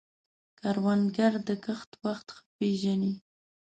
کروندګر د کښت وخت ښه پېژني